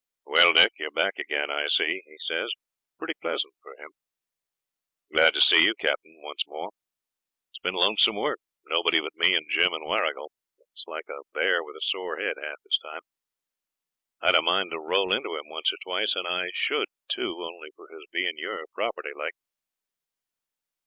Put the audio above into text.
'Well, Dick, you're back agin, I see,' he says, pretty pleasant for him. 'Glad to see you, Captain, once more. It's been lonesome work nobody but me and Jim and Warrigal, that's like a bear with a sore head half his time. I'd a mind to roll into him once or twice, and I should too only for his being your property like.'